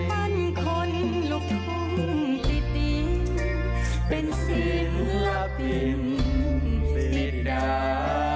มันคนลุกทุ้งติดติเป็นศิลปินติดดา